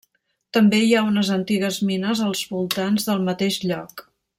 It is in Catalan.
També hi ha unes antigues mines als voltants del mateix lloc.